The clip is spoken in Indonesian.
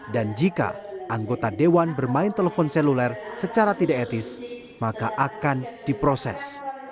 dan jika anggota dewan bermain telepon seluler secara tidak etis maka akan diproses